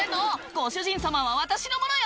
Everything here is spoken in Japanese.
ご主人様は私のものよ！」